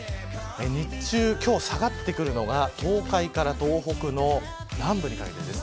日中、今日下がってくるのが東海から東北の南部にかけてです。